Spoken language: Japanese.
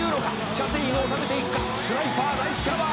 「射程に収めていくかスナイパーライスシャワーだ」